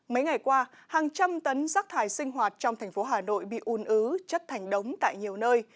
mấy ngày qua hàng trăm tấn rác thải sinh hoạt trong thành phố hà nội bị un ứ chất thành đống tại nhiều nơi